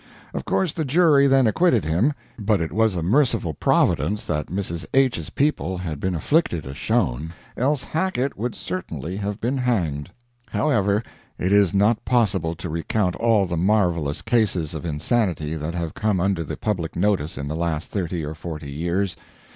Of course the jury then acquitted him. But it was a merciful providence that Mrs. H.'s people had been afflicted as shown, else Hackett would certainly have been hanged. However, it is not possible to recount all the marvelous cases of insanity that have come under the public notice in the last thirty or forty years.